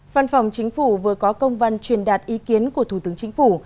văn phòng chính phủ vừa có công văn truyền đạt ý kiến của thủ tướng chính phủ